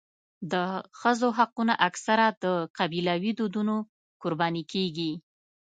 د ښځو حقونه اکثره د قبیلوي دودونو قرباني کېږي.